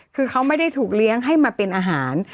คือเขาไม่ได้ถูกเลี้ยงให้มาเป็นอาหาร